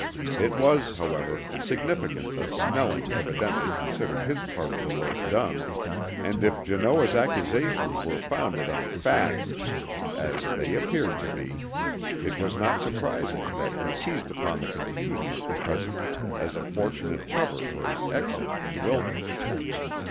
It was, however, significant that Snelling evidently considered his part of the work done; and if Janoah's accusations were founded on fact, as they appeared to be, it was not surprising that he seized upon the confusion of the present as a fortunate cover for his exit from Wilton.